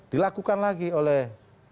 dilakukan lagi oleh